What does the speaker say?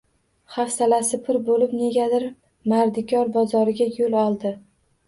Hafsalasi pir bo‘lib, negadir mardikor bozoriga yo‘l oldi